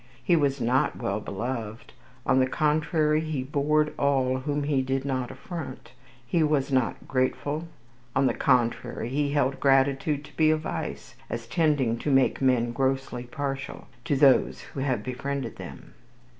He was not well beloved. On the contrary, he bored all whom he did not affront. He was not grateful. On the contrary, he held gratitude to be a vice, as tending to make men "grossly partial" to those who have befriended them.